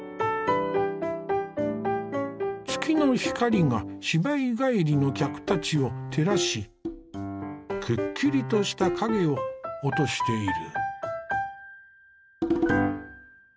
月の光が芝居帰りの客たちを照らしくっきりとした影を落としている。